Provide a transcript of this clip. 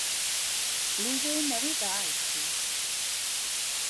Blwyddyn Newydd Dda i chwi!